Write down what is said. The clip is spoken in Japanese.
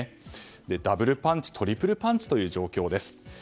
ダブルパンチ、トリプルパンチという状況です。